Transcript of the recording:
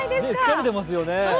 好かれてますよね。